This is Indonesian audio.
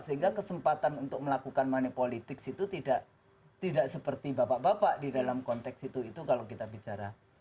sehingga kesempatan untuk melakukan money politics itu tidak seperti bapak bapak di dalam konteks itu itu kalau kita bicara